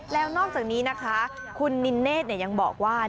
แล้วนอกจากนี้นะคะคุณนินเนธยังบอกว่า